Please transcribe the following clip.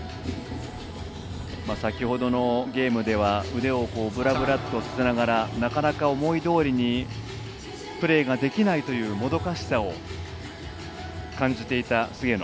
先ほどのゲームでは腕をぶらぶらとさせながらなかなか、思いどおりにプレーができないというもどかしさを感じていた、菅野。